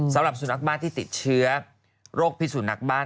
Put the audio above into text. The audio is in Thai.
สำหรับสุนัขบ้านที่ติดเชื้อโรคพิสุนักบ้าน